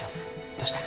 どうした？